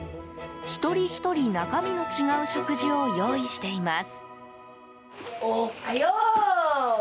一人ひとり中身の違う食事を用意しています。